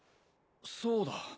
そうだ。